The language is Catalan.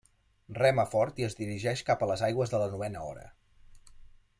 Rema fort i es dirigeix cap a les aigües de la novena hora.